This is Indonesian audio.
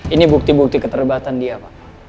ini bukti bukti keterlibatan dia pak